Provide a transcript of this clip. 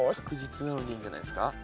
確実なのでいいんじゃないですか。